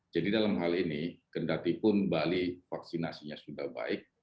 jadi dalam hal ini kandatipun bali vaksinasinya sudah baik